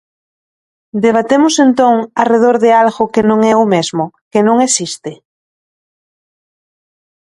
Debatemos entón arredor de algo que non é o mesmo, que non existe?